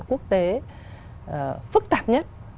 quốc tế phức tạp nhất